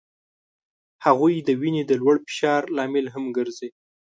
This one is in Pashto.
هغوی د وینې د لوړ فشار لامل هم ګرځي.